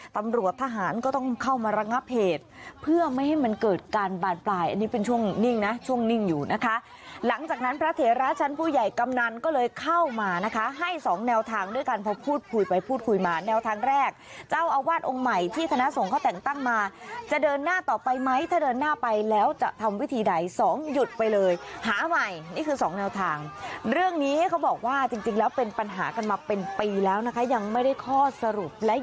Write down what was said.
ตำรวจทหารก็ต้องเข้ามาระงับเหตุเพื่อไม่ให้มันเกิดการบานปลายอันนี้เป็นช่วงนิ่งนะช่วงนิ่งอยู่นะคะหลังจากนั้นพระเถราชันผู้ใหญ่กำนันก็เลยเข้ามานะคะให้สองแนวทางด้วยกันพอพูดคุยไปพูดคุยมาแนวทางแรกเจ้าอาวัดองค์ใหม่ที่ธนสงฆ์เขาแต่งตั้งมาจะเดินหน้าต่อไปไหมถ้าเดินหน้าไปแล้วจะทำวิธีไหนสองหยุ